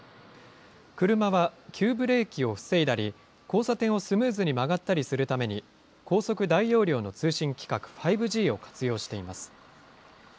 車は急ブレーキを防いだり、交差点をスムーズに曲がったりするために、高速・大容量の通信規格５Ｇを活用しています。